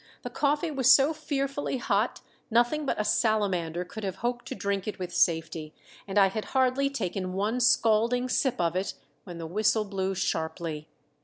the coffee was so fearfully hot nothing but a salamander could have hoped to drink it with safety, and I had hardly taken one scalding sip of it when the whistle blew sharply.